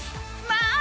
まあ！